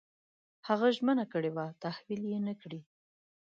هغه ژمنه کړې وه تحویل یې نه کړې.